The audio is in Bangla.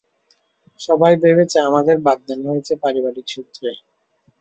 সবাই ভেবেছে আমাদের বাগদান হয়েছে পারিবারিক সূত্রে!